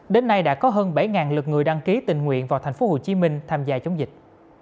đến nay đã có hơn bảy lượt người đăng ký tình nguyện vào tp hcm tham gia chống dịch